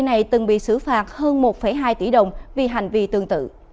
ngày một mươi tháng năm